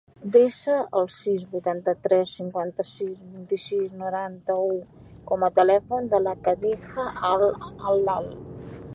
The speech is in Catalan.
Desa el sis, vuitanta-tres, cinquanta-sis, vint-i-sis, noranta-u com a telèfon de la Khadija Al Lal.